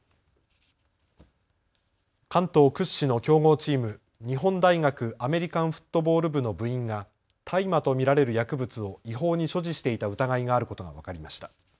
関東屈指の強豪チーム、日本大学アメリカンフットボール部の部員が大麻と見られる薬物を違法に所持していた疑いがあることが分かりました。